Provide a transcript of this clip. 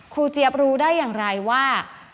เจี๊ยบรู้ได้อย่างไรว่า